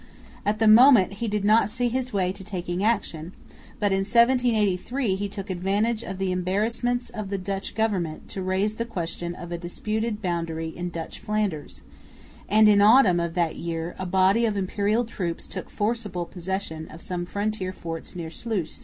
At the moment he did not see his way to taking action, but in 1783 he took advantage of the embarrassments of the Dutch government to raise the question of a disputed boundary in Dutch Flanders; and in the autumn of that year a body of Imperial troops took forcible possession of some frontier forts near Sluis.